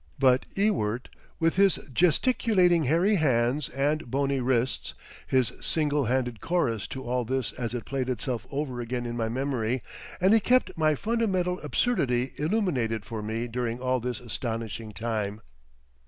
But Ewart, with his gesticulating hairy hands and bony wrists, his single handed chorus to all this as it played itself over again in my memory, and he kept my fundamental absurdity illuminated for me during all this astonishing time.